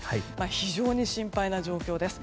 非常に心配な状況です。